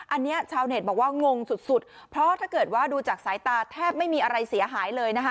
อันนี้ชาวเน็ตบอกว่างงสุดสุดเพราะถ้าเกิดว่าดูจากสายตาแทบไม่มีอะไรเสียหายเลยนะคะ